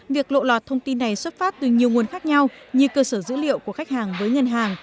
việc lộ lọt thông tin này xuất phát từ nhiều nguồn khác nhau như cơ sở dữ liệu của khách hàng với ngân hàng